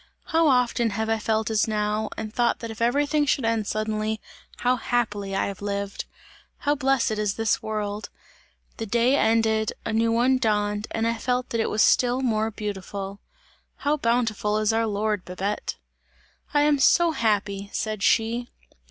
How often have I felt as now, and thought that if everything should end suddenly, how happily have I lived! How blessed is this world! The day ended, a new one dawned and I felt that it was still more beautiful! How bountiful is our Lord, Babette!" "I am so happy!" said she.